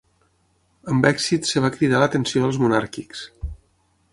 Amb èxit es va cridar l'atenció dels monàrquics.